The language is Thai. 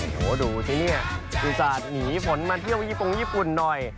โหดูสิเนี่ยอุตส่าห์หนีฝนมาเที่ยวยี่ปงญี่ปุ่นหน่อย